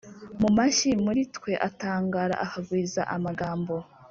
Mu mashyi muri twe atangara akagwiza amagambo